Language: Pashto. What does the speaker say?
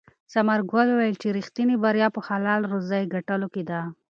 ثمرګل وویل چې ریښتینې بریا په حلاله روزي ګټلو کې ده.